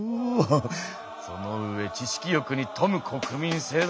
その上知識欲に富む国民性だと。